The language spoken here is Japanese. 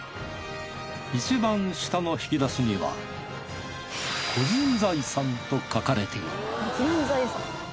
いちばん下の引き出しには「個人財産」と書かれている